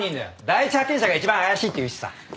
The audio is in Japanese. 第一発見者が一番怪しいっていうしさ。